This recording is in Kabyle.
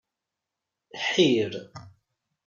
Ḥir.